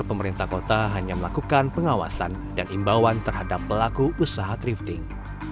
pemerintah kota hanya melakukan pengawasan dan imbauan terhadap pelaku usaha thrifting